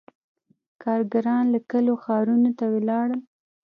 • کارګران له کلیو ښارونو ته ولاړل.